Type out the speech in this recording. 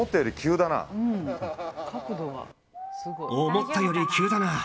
「思ったより急だな」。